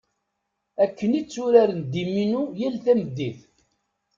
Akken i tturaren ddiminu tal tameddit.